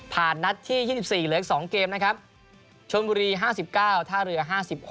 นัดที่๒๔เหลืออีก๒เกมนะครับชนบุรี๕๙ท่าเรือ๕๖